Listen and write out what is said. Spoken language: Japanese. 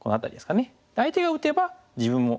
相手が打てば自分も。